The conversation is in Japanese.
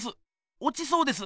おちそうです。